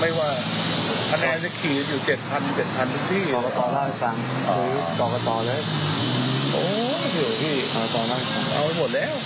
เอาไปหมดแล้ว